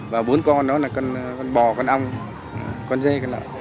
và bốn con đó là con bò con ong con dê con lợn